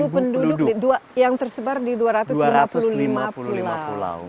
empat puluh tujuh penduduk yang tersebar di dua ratus lima puluh lima pulau